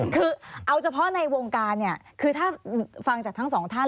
คือเอาเฉพาะในวงการเนี่ยคือถ้าฟังจากทั้งสองท่าน